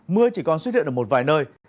mưa chỉ còn xuất hiện ở một vài nơi